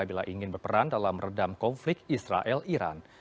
bila ingin berperan dalam meredam konflik israel iran